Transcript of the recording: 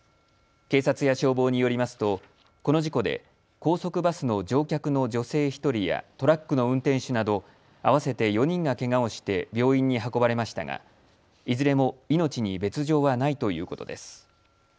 警察や消防によりますとこの事故で高速バスの乗客の女性１人やトラックの運転手など合わせて４人がけがをして病院に運ばれましたがいずれも命に別状はないということです。